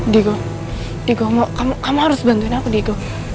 digo kamu harus bantuin aku digo